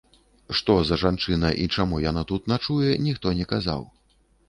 Што за жанчына і чаму яна тут начуе, ніхто не казаў.